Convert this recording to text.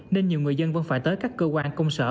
nên nhiều người dân vẫn phải tới các cơ quan công sở